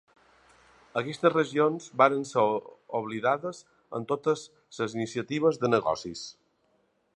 Aquestes regions van ser oblidades en totes les iniciatives de negocis.